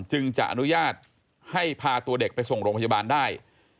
จึงจะอนุญาตให้พาตัวเด็กไปส่งโรงพยาบาลได้